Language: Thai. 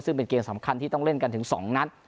ซึ่งเป็นเกมสำคัญที่ต้องเล่นกันถึง๒นัด